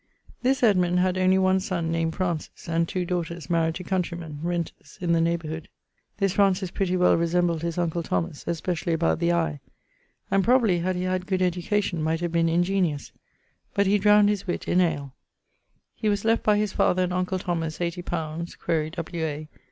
_> This Edmund had only one son named Francis, and two daughters maried to countreymen (renters) in the neighborhood. This Francis pretty well resembled his uncle Thomas, especially about the eie; and probably had he had good education might have been ingeniose; but he drowned his witt in ale[XCIV.]. He was left by his father and uncle Thomas, 80 li. (quaere W. A.)